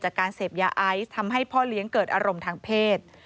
จากการเสพยาไอซ์ทำให้พ่อเลี้ยงเกิดอารมณ์ทางเพศ